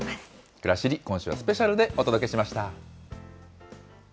くらしり、今週はスペシャルでお届けしました。